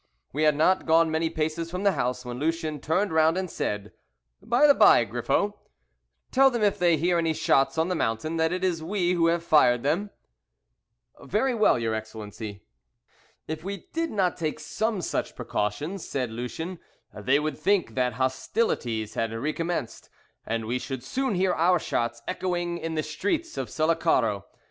We had not gone many paces from the house when Lucien turned round and said "By the by, Griffo, tell them if they hear any shots on the mountain that it is we who have fired them." "Very well, your Excellency." "If we did not take some such precautions," said Lucien, "they would think that hostilities had recommenced, and we should soon hear our shots echoing in the streets of Sullacaro.